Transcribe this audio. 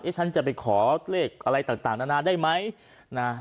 ฉันจะไปขอเลขอะไรต่างนานาได้ไหมนะ